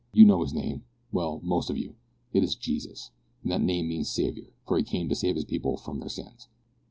You know His name well, most of you; it is Jesus, and that name means Saviour, for He came to save His people from their sins."